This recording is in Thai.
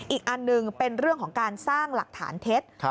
อีกอันหนึ่งเป็นเรื่องของการสร้างหลักฐานเท็จ